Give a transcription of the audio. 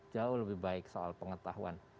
jauh lebih baik soal pengetahuan